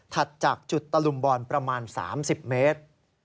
จากจุดตะลุมบอลประมาณ๓๐เมตร